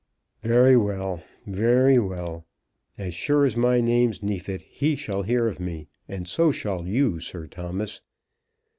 "Very well; very well. As sure as my name's Neefit, he shall hear of me. And so shall you, Sir Thomas.